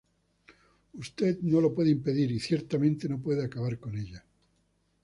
Usted no lo puede impedir y ciertamente no puede acabar con ella.